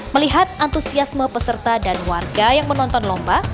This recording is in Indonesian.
melihat antusiasme peserta dan warga yang menonton lomba